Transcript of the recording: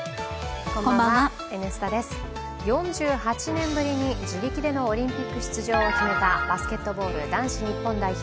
４８年ぶりに自力でオリンピック出場を決めたバスケットボール男子日本代表。